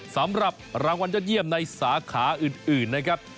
สำหรับรางวัลยอดเยี่ยมในสาขาอื่นนะครับ